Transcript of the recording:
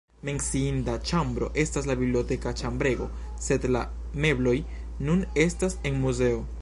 Menciinda ĉambro estas la biblioteka ĉambrego, sed la mebloj nun estas en muzeo.